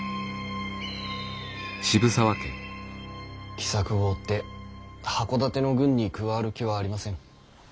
喜作を追って箱館の軍に加わる気はありません。